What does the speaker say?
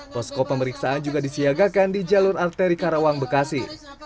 posko pemeriksaan juga disiagakan di jalur arteri karawang bekasi